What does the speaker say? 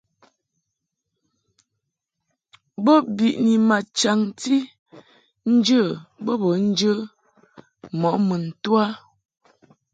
Bo biʼni ma chaŋti nje bo bə njə mɔʼ mun to a.